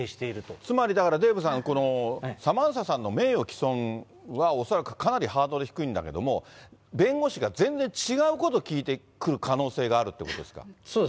つまり、だから、デーブさん、このサマンサさんの名誉毀損は、恐らくかなりハードル低いんだけれども、弁護士が全然違うこと聞いてくる可能性があるということそうです。